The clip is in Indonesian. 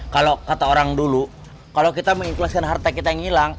kalau kata orang dulu kalau kita mengikhlaskan harta kita yang hilang